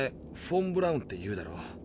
「フォン・ブラウン」って言うだろう。